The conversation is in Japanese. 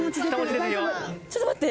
ちょっと待って！